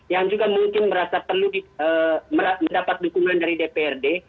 yang juga mungkin merasa perlu mendapat dukungan dari dprd